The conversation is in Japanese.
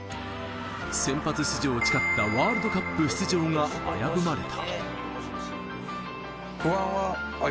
先発出場を誓ったワールドカップ出場が危ぶまれた。